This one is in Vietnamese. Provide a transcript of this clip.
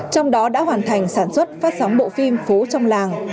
trong đó đã hoàn thành sản xuất phát sóng bộ phim phố trong làng